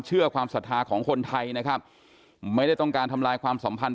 เชื่อความศรัทธาของคนไทยนะครับไม่ได้ต้องการทำลายความสัมพันธ